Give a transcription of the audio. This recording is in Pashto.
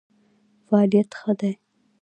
فعالیت ښه دی.